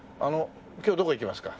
今日どこ行きますか？